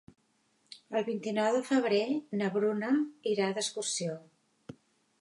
El vint-i-nou de febrer na Bruna irà d'excursió.